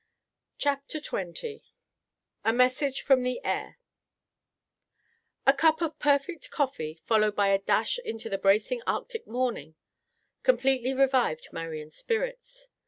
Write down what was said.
CHAPTER XX A MESSAGE FROM THE AIR A cup of perfect coffee, followed by a dash into the bracing Arctic morning, completely revived Marian's spirits.